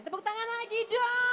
tepuk tangan lagi dong